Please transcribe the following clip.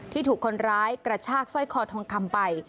ถูกคนร้ายกระชากสร้อยคอทองคำไป